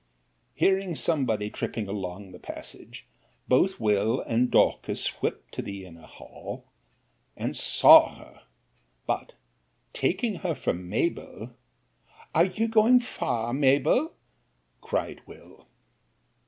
'Hearing somebody tripping along the passage, both Will. and Dorcas whipt to the inner hall door, and saw her; but, taking her for Mabell, Are you going far, Mabell? cried Will.